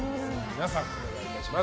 皆さん、お願いいたします。